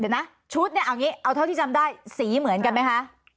เดี๋ยวนะชุดเนี่ยเอางี้เอาเท่าที่จำได้สีเหมือนกันไหมคะ